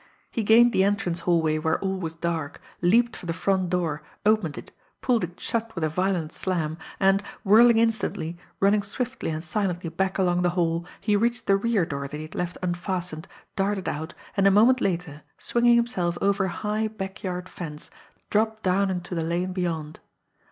He gained the entrance hallway where all was dark, leaped for the front door, opened it, pulled it shut with a violent slam and, whirling instantly, running swiftly and silently back along the hall, he reached the rear door that he had left unfastened, darted out, and a moment later, swinging himself over a high, backyard fence, dropped down into the lane beyond.